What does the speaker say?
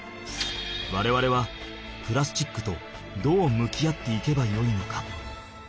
われわれはプラスチックとどう向き合っていけばよいのか。